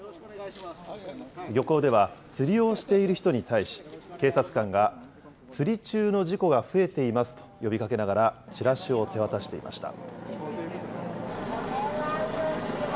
漁港では、釣りをしている人に対し、警察官が、釣り中の事故が増えていますと呼びかけながら、チラシを手渡していました。